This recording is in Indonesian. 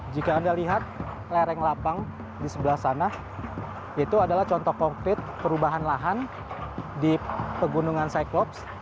jika anda lihat lereng lapang di sebelah sana itu adalah contoh konkret perubahan lahan di pegunungan cyclops